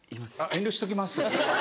遠慮しときます。